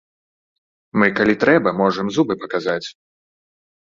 Мы, калі трэба, можам зубы паказаць.